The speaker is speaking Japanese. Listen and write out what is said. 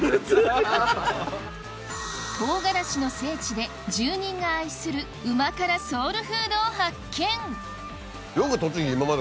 とうがらしの聖地で住人が愛する旨辛ソウルフードを発見